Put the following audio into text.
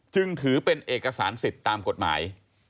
จึงถือเป็นเอกสารสิทธิ์ตามกฎหมาย